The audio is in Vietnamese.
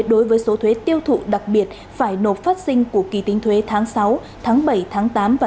đối với số thuế tiêu thụ đặc biệt phải nộp phát sinh của kỳ tính thuế tháng sáu tháng bảy tháng tám và